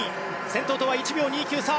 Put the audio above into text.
先頭とは０秒２９差。